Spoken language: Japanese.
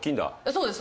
そうです